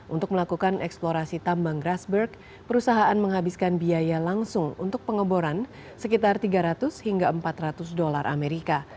untuk melakukan eksplorasi tambang grasberg perusahaan menghabiskan biaya langsung untuk pengeboran sekitar tiga ratus hingga empat ratus dolar amerika